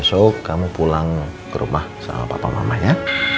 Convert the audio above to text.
besok kamu pulang ke rumah sama papa mamanya